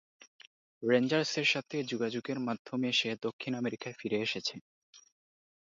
রেঞ্জার্সের সাথে যোগাযোগের মাধ্যমে সে দক্ষিণ আমেরিকায় ফিরে এসেছে।